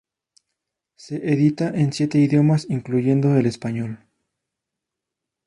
Se edita en siete idiomas incluyendo el español.